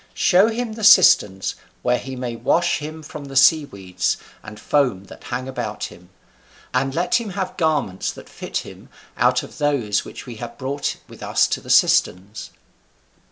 Show him the cisterns, where he may wash him from the sea weeds and foam that hang about him, and let him have garments that fit him out of those which we have brought with us to the cisterns."